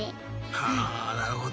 はあなるほど。